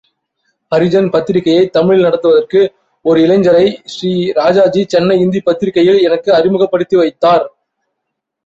ஹரிஜன் பத்திரிகையைத் தமிழில் நடத்துவதற்கு ஒரு இளைஞரை ஸ்ரீ ராஜாஜி சென்னை இந்தி பிரசாரசபையில் எனக்கு அறிமுகப்படுத்தி வைத்தார்.